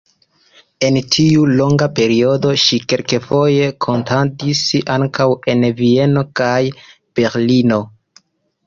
En tiu longa periodo ŝi kelkfoje kantadis ankaŭ en Vieno kaj Berlino.